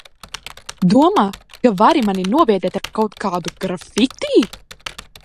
Domā, ka vari mani nobiedēt ar kaut kādu grafiti?